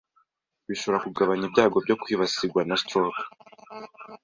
bishobora kugabanya ibyago byo kwibasirwa na stroke